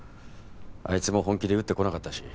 あいつも本気で打ってこなかったし。